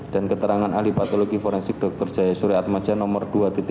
dan keterangan ahli patologi forensik dr jaya surya atmaja nomor dua lima puluh